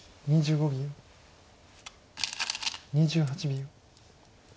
２８秒。